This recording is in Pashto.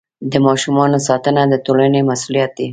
د ماشومانو ساتنه د ټولنې مسؤلیت دی.